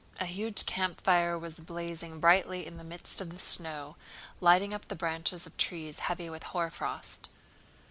A huge campfire was blazing brightly in the midst of the snow, lighting up the branches of trees heavy with hoarfrost.